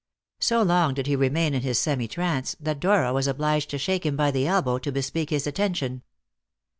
So long did he remain in his semi trance, that Dora was obliged to shake him by the elbow to bespeak his attention.